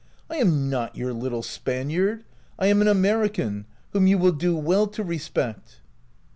" I am not your little Spaniard ; I am an American, whom you will do well to respect."